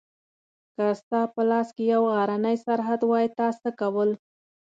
که ستا په لاس کې یو غرنی سرحد وای تا څه کول؟